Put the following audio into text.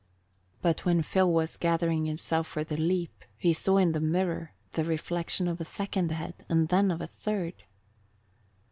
But when Phil was gathering himself for the leap, he saw in the mirror the reflection of a second head, and then of a third.